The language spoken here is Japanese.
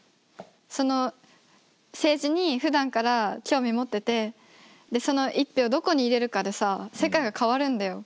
その政治にふだんから興味持っててでその１票どこに入れるかでさ世界が変わるんだよ。